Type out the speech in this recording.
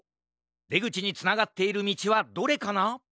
でぐちにつながっているみちはどれかな？